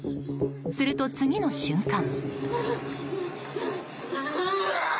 すると、次の瞬間。